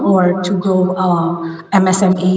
atau msme empat